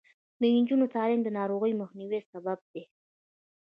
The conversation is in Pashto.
د نجونو تعلیم د ناروغیو مخنیوي سبب دی.